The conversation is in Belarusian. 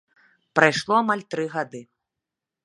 Прайшло амаль тры гады.